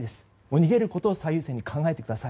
逃げることを最優先に考えてください。